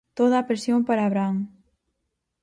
Toda a presión para Abraham.